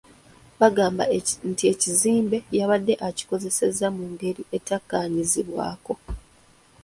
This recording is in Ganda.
Bagamba nti ekizimbe yabadde akikozeseza mu ngeri etakkaanyizibwako.